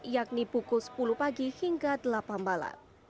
yakni pukul sepuluh pagi hingga delapan malam